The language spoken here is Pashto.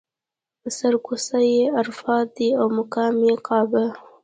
سر کوڅه یې عرفات دی او مقام یې کعبه.